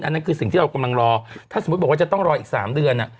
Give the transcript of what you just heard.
นั่นคือสิ่งที่เรากำลังรอถ้าสมมุติบอกว่าจะต้องรออีก๓เดือน